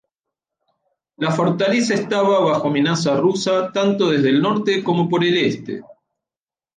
La fortaleza estaba bajo amenaza rusa, tanto desde el norte como por el este.